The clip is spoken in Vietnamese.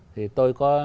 thì tôi có